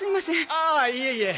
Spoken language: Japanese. ああいえいえ。